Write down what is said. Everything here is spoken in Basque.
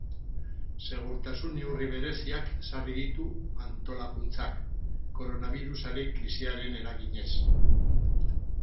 Segurtasun neurri bereziak ezarri ditu antolakuntzak, koronabirusaren krisiaren eraginez.